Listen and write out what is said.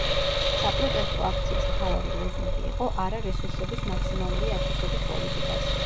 საპროტესტო აქციის მთავარი ლოზუნგი იყო „არა რესურსების მაქსიმალური ათვისების პოლიტიკას“.